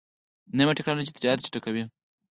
نوې ټکنالوژي تجارت چټکوي.